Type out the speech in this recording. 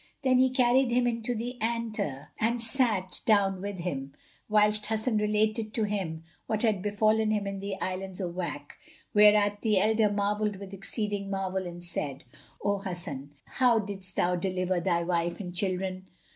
Then he carried him into the antre and sat down with him, whilst Hasan related to him what had befallen him in the Islands of Wak; whereat the Elder marvelled with exceeding marvel and said, "O Hasan, how didst thou deliver thy wife and children?"